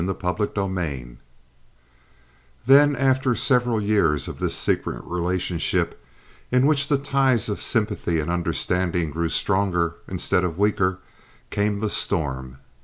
Chapter XXIII Then, after several years of this secret relationship, in which the ties of sympathy and understanding grew stronger instead of weaker, came the storm.